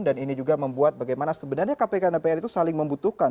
dan ini juga membuat bagaimana sebenarnya kpk dan dpr itu saling membutuhkan